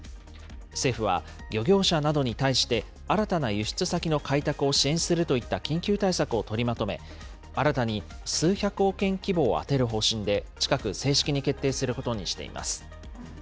政府は、漁業者などに対して新たな輸出先の開拓を支援するといった緊急対策を取りまとめ、新たに数百億円規模を充てる方針で、近く、正式に決定することにしています。